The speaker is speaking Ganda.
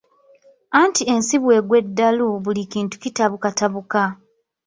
Anti ensi bw’egwa eddalu buli kintu kitabukatabuka.